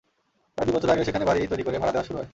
প্রায় দুই বছর আগে সেখানে বাড়ি তৈরি করে ভাড়া দেওয়া শুরু হয়।